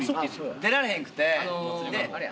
出られへんくて。